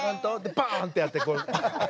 バーン！ってやってこう。